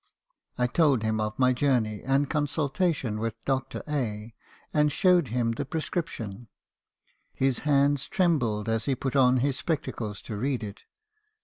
"I told him of my journey, and consultation with Dr. —, and showed him the prescription. His hands trembled as he put on his spectacles to read it.